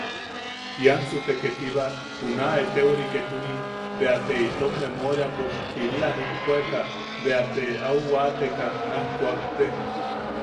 Iansu te ketiba juna eteori ketuni, ‘bea ta itom memoriapo ili a jipuekaʼ, bea te au waateka naj kuakte.